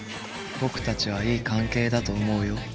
僕たちはいい関係だと思うよ。